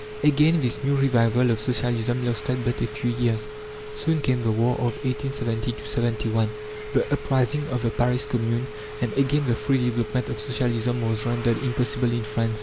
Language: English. Again this new revival of Socialism lasted but a few years. Soon came the war of 1870 71, the uprising of the Paris Commune and again the free development of Socialism was rendered impossible in France.